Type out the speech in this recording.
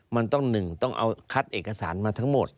มันต้องหนึ่งต้องเอาคัดเอกสารมาทั้งหมด